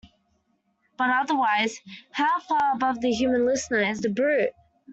But, otherwise, how far above the human listener is the brute!